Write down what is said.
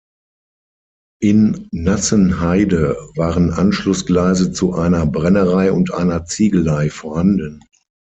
In Nassenheide waren Anschlussgleise zu einer Brennerei und einer Ziegelei vorhanden.